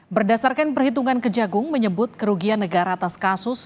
berdasarkan perhitungan kejagung menyebut kerugian negara atas kasus